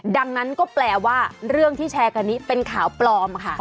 ดังนั้นก็แปลว่าเรื่องที่แชร์กันนี้เป็นข่าวปลอมค่ะ